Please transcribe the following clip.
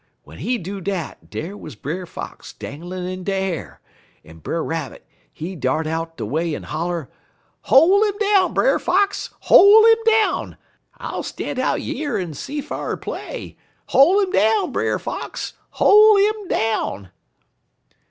W'en he do dat, dar wuz Brer Fox danglin' in de a'r, en Brer Rabbit, he dart out de way en holler: "'Hol' 'im down, Brer Fox! Hol' 'im down! I'll stan' out yer en see fa'r play. Hol' 'im down, Brer Fox! Hol' 'im down!'